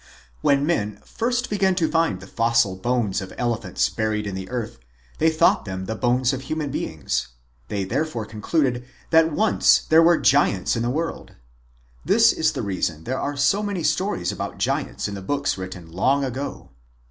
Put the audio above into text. When men first began to find the fossil bones of elephants buried in the earth, they thought them the bones of human beings. They therefore concluded MIGHTY ANIMALS 8 113 114 MIGHTY ANIMALS that once there were giants in the world. This is the reason there are so many stories about giants in the books written long ago.